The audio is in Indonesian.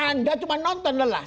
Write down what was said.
anda cuma nonton lelah